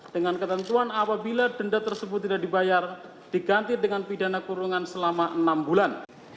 dengan ketentuan apabila denda tersebut tidak dibayar diganti dengan pidana kurungan selama enam bulan